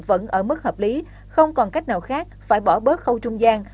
vẫn ở mức hợp lý không còn cách nào khác phải bỏ bớt khâu trung gian